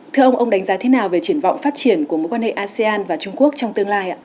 thưa ông ông đánh giá thế nào về triển vọng phát triển của mối quan hệ asean và trung quốc trong tương lai ạ